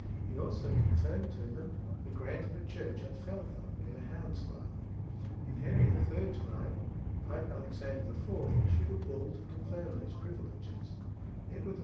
He also confirmed to them the grant of a church at Feltham, near Hounslow. In Henry III.'s reign, Pope Alexander IV. issued a bull to confirm these privileges. Edward I.